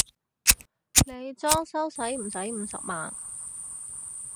你裝修駛唔駛五十萬？